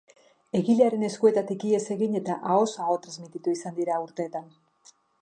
Egilearen eskuetatik ihes egin eta ahoz aho transmititu izan dira urteetan.